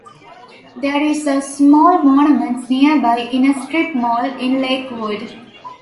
There is a small monument nearby in a strip mall in Lakewood.